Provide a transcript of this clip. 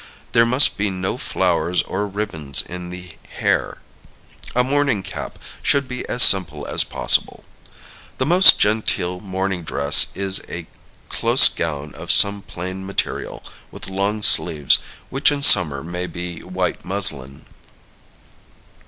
There must be no flowers or ribbons in the hair. A morning cap should be as simple as possible. The most genteel morning dress is a close gown of some plain material, with long sleeves, which in summer may be white muslin.